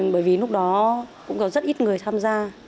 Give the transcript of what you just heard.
bởi vì lúc đó cũng có rất ít người tham gia